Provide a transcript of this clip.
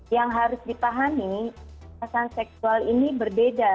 yang harus dipahami kekerasan seksual ini berbeda